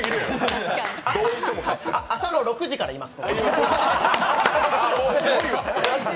６時からいます。